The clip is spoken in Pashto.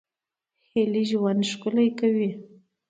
هیلې ژوند ښکلی کوي